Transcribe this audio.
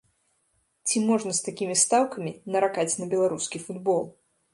Ці можна з такімі стаўкамі наракаць на беларускі футбол?